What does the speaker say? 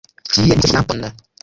Tie ni konservis provianton.